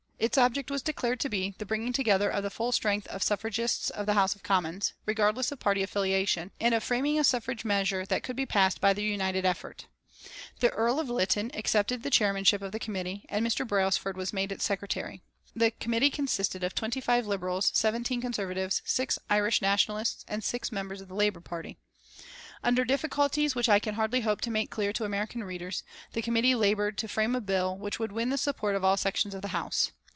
Its object was declared to be the bringing together of the full strength of suffragists of the House of Commons, regardless of party affiliation, and of framing a suffrage measure that could be passed by their united effort. The Earl of Lytton accepted the chairmanship of the committee and Mr. Brailsford was made its secretary. The committee consisted of twenty five Liberals, seventeen Conservatives, six Irish Nationalists, and six members of the Labour Party. Under difficulties which I can hardly hope to make clear to American readers the committee laboured to frame a bill which should win the support of all sections of the House.